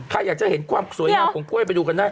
ใครอยากจะเห็นความสวยงามของกล้วยไปดูกันได้